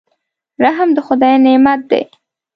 رحم د خدای نعمت دی.